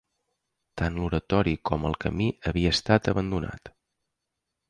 Tant l'oratori com el camí havia estat abandonat.